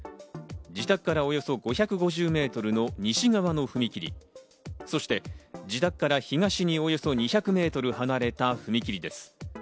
自宅からおよそ５５０メートルの西側の踏切、そして自宅から東におよそ２００メートル離れた踏切です。